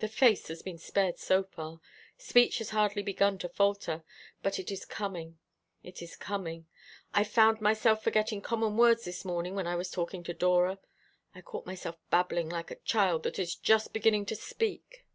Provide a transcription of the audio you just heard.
The face has been spared so far speech has hardly begun to falter. But it is coming it is coming. I found myself forgetting common words this morning when I was talking to Dora. I caught myself babbling like a child that is just beginning to speak."